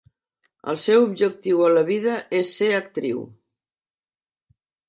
El seu objectiu a la vida és ser actriu.